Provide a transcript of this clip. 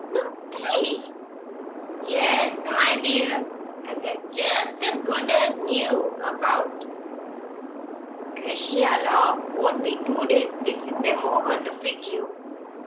"Not three?" "Yes, my dear. And they're jest as good as new about. 'Cretia Lock won't be two days fixin' 'em over to fit you.